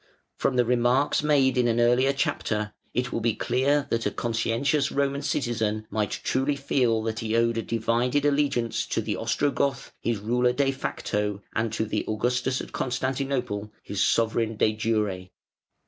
From the remarks made in an earlier chapter, it will be clear that a conscientious Roman citizen might truly feel that he owed a divided allegiance to the Ostrogoth, his ruler de facto, and to the Augustus at Constantinople, his sovereign de jure.